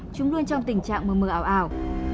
chúng luôn trong tình trạng mờ mờ ảo ảo